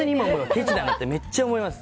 ケチだなってめっちゃ思います。